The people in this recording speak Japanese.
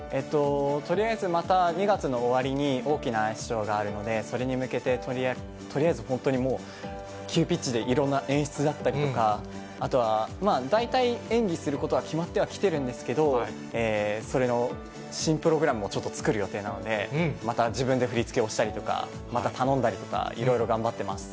とりあえずまた、２月の終わりに大きなアイスショーがあるので、それに向けて、とりあえず、本当にもう、急ピッチでいろんな演出だったりとか、あとは、大体演技することは決まってはきてるんですけど、それの新プログラムもちょっと作る予定なので、また自分で振り付けをしたりとか、また頼んだりとか、いろいろ頑張ってます。